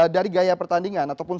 dari gaya pertandingan ataupun